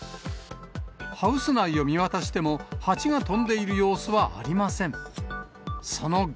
ハウス内を見渡してもハチが飛んでいる様子はありません。